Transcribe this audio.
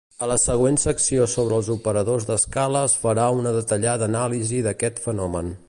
A la següent secció sobre els operadors d'escala es farà una detallada anàlisi d'aquest fenomen.